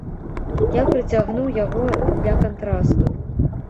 Я прыцягнуў яго для кантрасту.